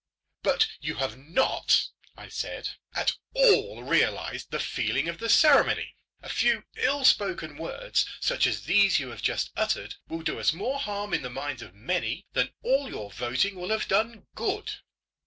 "But you have not," I said, "at all realised the feeling of the ceremony. A few ill spoken words, such as these you have just uttered, will do us more harm in the minds of many than all your voting will have done good."